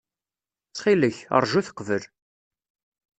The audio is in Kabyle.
Ttxil-k, ṛju-t qbel.